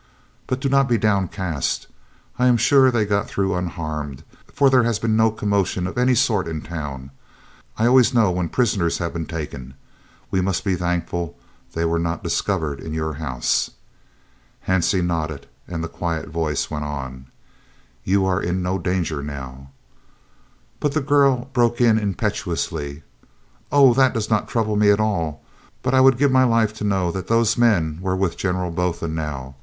But do not be downcast. I am sure they got through unharmed, for there has been no commotion of any sort in town. I always know when prisoners have been taken. We must be thankful they were not discovered in your house." Hansie nodded, and the quiet voice went on: "You are in no danger now " But the girl broke in impetuously: "Oh, that does not trouble me at all, but I would give my life to know that those men were with General Botha now.